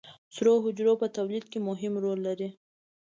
سرو حجرو په تولید کې مهم رول لري